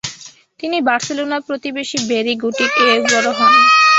তিনি বার্সেলোনার প্রতিবেশী ব্যারি গোটিক-এর বড় হন।